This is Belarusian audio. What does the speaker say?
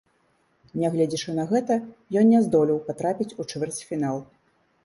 Нягледзячы на гэта, ён не здолеў патрапіць у чвэрцьфінал.